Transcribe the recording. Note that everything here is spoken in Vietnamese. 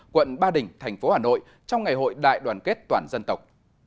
quận ba đình thành phố hà nội trong ngày hội đại đoàn kết toàn dân tộc